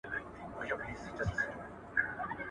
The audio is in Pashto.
ته باید د پاکو اوبو د ککړتیا مخه ونیسې.